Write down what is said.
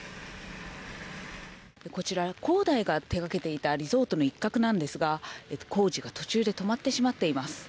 こちら、恒大が手掛けていたリゾートの一角なんですが、工事が途中で止まってしまっています。